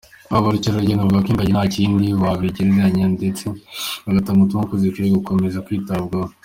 Abakererugendo bavuga ko ingagi nta kindi wabigereranya ndetse bagatanga ubutumwa ko zikwiye gukomeza kwitabwaho.